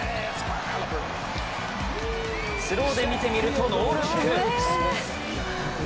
スローで見てみると、ノールック。